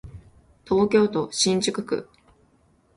東京都新宿区